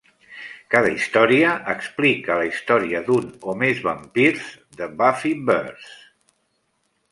Cada història explica la història d'un o més vampirs de Buffyverse.